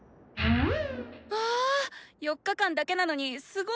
うん？